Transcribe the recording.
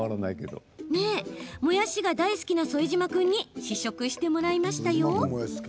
もやしが大好きな副島君に試食してもらいました。